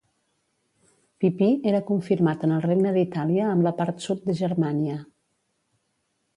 Pipí era confirmat en el regne d'Itàlia amb la part sud de Germània.